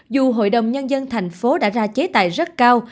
dù hội đồng nhân dân thành phố đã ra chế tài rất cao